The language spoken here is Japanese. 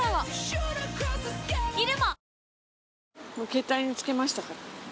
携帯につけましたから。